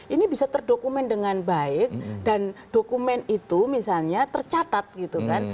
ini bisa terdokumen dengan baik dan dokumen itu misalnya tercatat gitu kan